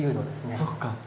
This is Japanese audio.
そっか。